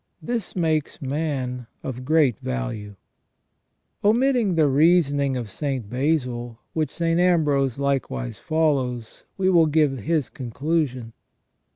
This makes man of great value." * Omitting the reasoning of St. Basil, which St. Ambrose likewise follows, we will give his conclusion.